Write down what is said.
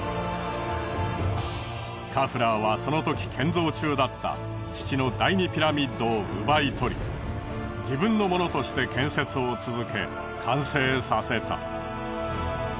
カフラーはそのとき建造中だった父の第２ピラミッドを奪い取り自分のものとして建設を続け完成させた。